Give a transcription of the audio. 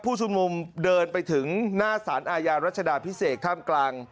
ผู้ชุมนุมเดินไปถึงหน้าสารอาญารัชดาพิเศษท่ามกลาง